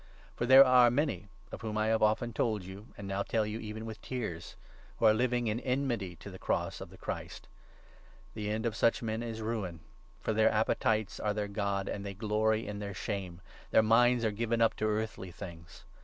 For there are 18 many — of whom I have often told you, and now tell you even with tears — who are living in enmity to the cross of the Christ. The end of such men is Ruin ; for their appetites are their 19 God, and they glory in their shame ; their minds are given up to earthly things.